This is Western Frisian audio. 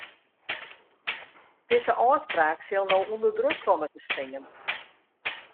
Dizze ôfspraak sil no ûnder druk komme te stean.